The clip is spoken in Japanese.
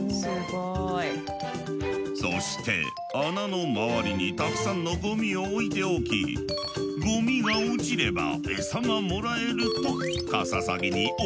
そして穴の周りにたくさんのゴミを置いておきゴミが落ちれば餌がもらえるとカササギに教え込んだのだ。